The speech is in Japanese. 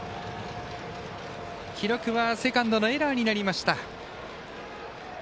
記録はセカンドのエラーになりました。